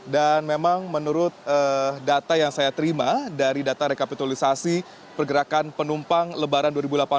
dan memang menurut data yang saya terima dari data rekapitulisasi pergerakan penumpang lebaran dua ribu delapan belas